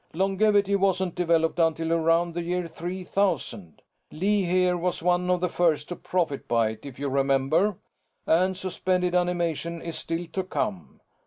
Longevity wasn't developed until around the year 3000 Lee here was one of the first to profit by it, if you remember and suspended animation is still to come.